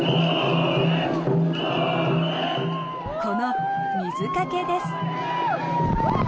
この水かけです。